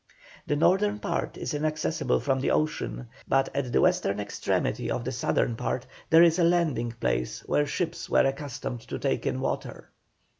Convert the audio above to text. The northern part is inaccessible from the ocean, but at the western extremity of the southern part there is a landing place where ships were accustomed to take in water.